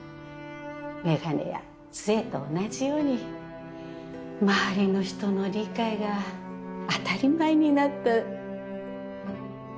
眼鏡やつえと同じように周りの人の理解が当たり前になった。